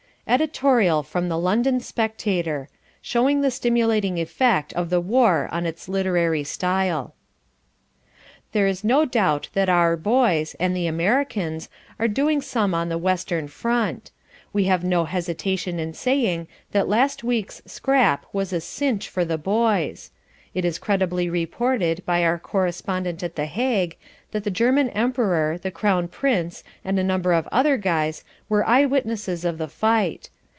EDITORIAL FROM THE LONDON "SPECTATOR" Showing the Stimulating Effect of the War on Its Literary Style "There is no doubt that our boys, and the Americans, are going some on the western front. We have no hesitation in saying that last week's scrap was a cinch for the boys. It is credibly reported by our correspondent at The Hague that the German Emperor, the Crown Prince and a number of other guys were eye witnesses of the fight.